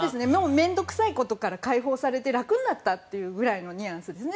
面倒くさいことから解放されて楽になったぐらいのニュアンスですね。